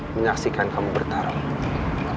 menyaksikan kamu bertarung